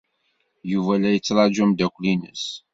Yuba la yettṛaju ameddakel-nnes.